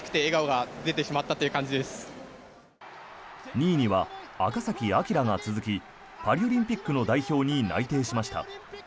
２位には赤崎暁が続きパリオリンピックの代表に内定しました。